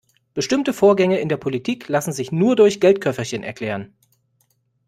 Bestimmte Vorgänge in der Politik lassen sich nur durch Geldköfferchen erklären.